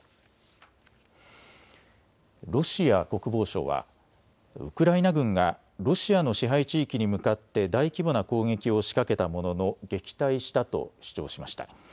ロシア国防省はウクライナ軍がロシアの支配地域に向かって大規模な攻撃を仕掛けたものの撃退したと主張しました。